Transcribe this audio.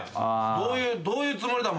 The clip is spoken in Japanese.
どういうつもりだお前。